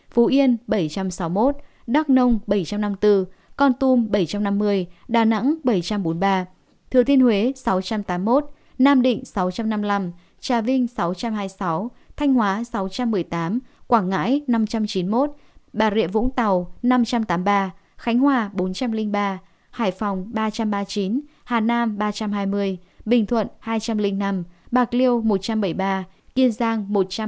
tám trăm bốn mươi chín phú yên bảy trăm sáu mươi một đắk nông bảy trăm năm mươi bốn con tum bảy trăm năm mươi đà nẵng bảy trăm bốn mươi ba thừa thiên huế sáu trăm tám mươi một nam định sáu trăm năm mươi năm trà vinh sáu trăm hai mươi sáu thanh hóa sáu trăm một mươi tám quảng ngãi năm trăm chín mươi một bà rịa vũng tàu năm trăm tám mươi ba khánh hòa bốn trăm linh ba hải phòng ba trăm ba mươi chín hà nam ba trăm hai mươi bình thuận hai trăm linh năm bạc liêu một trăm bảy mươi ba kiên giang một trăm bốn mươi tám